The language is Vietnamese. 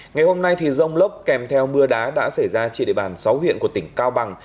ngày hôm nay rông lốc kèm theo mưa đá đã xảy ra trên địa bàn sáu huyện của tỉnh cao bằng